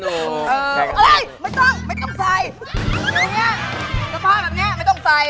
อย่างนี้ผ้าแบบนี้ไม่ต้องใส่ยืนอย่างนี้แหละ